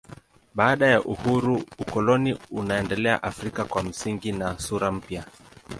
Baada ya uhuru ukoloni unaendelea Afrika kwa misingi na sura mpya.